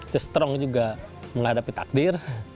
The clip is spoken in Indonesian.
the strong juga menghadapi takdir